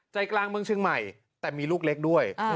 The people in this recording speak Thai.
ใจกลางเมืองเชียงใหม่แต่มีลูกเล็กด้วย